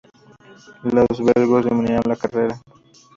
Los belgas dominaron la carrera.